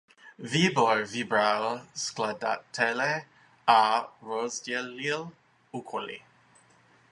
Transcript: Výbor vybral skladatele a rozdělil úkoly.